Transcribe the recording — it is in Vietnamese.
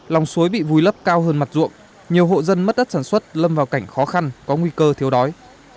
lòng suối bị vùi lấp cao hơn mặt ruộng nhiều hộ dân mất đất sản xuất lâm vào cảnh khó khăn có nguy cơ thiếu đói